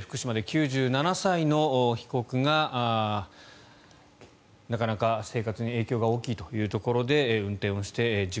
福島で９７歳の被告がなかなか生活に影響が大きいというところで運転をして事故